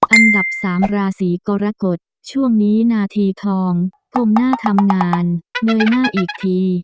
อันดับสามราศีกรกฎช่วงนี้นาทีทองกลมหน้าทำงานเงยหน้าอีกที